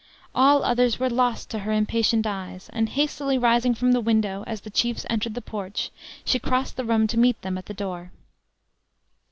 All others were lost to her impatient eyes; and hastily rising from the window as the chiefs entered the porch, she crossed the room to meet them at the door.